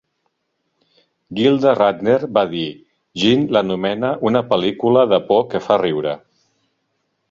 Gilda Radner va dir: "Gene l'anomena "una pel·lícula de por que fa riure"".